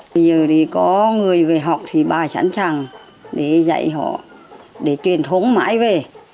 bây giờ thì có người về học thì bà sẵn sàng để dạy họ để truyền thống mãi về